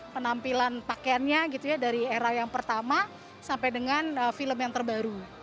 penampilan pakaiannya gitu ya dari era yang pertama sampai dengan film yang terbaru